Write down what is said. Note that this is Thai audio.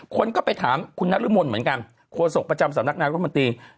คนก็ไปถามคุณนรมนเหมือนกันโฆษกประจำสำนักนายรัฐมนตรี